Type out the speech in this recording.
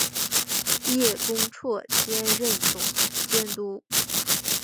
叶恭绰兼任总监督。